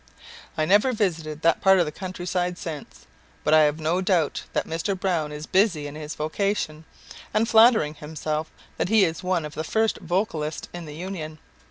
I never visited that part of the countryside since, but I have no doubt that Mr. Browne is busy in his vocation, and flattering himself that he is one of the first vocalists in the Union.